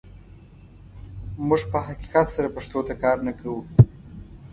موږ په حقیقت سره پښتو ته کار نه کوو.